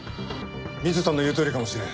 水田の言うとおりかもしれん。